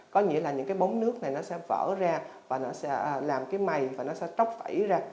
có nghĩa là những bống nước này nó sẽ vỡ ra và nó sẽ làm cái mây và nó sẽ tróc vẫy ra